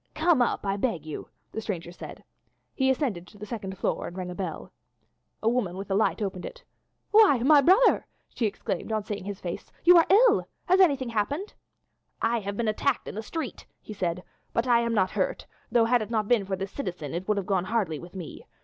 "Come up, I beg you," the stranger said. He ascended to the second floor and rang at the bell. A woman with a light opened it. "Why, my brother," she exclaimed on seeing his face, "you are ill! Has anything happened?" "I have been attacked in the street," he said, "but I am not hurt, though, had it not been for this citizen it would have gone hardly with me.